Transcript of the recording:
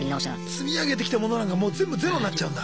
積み上げてきたものなんかもう全部ゼロになっちゃうんだ。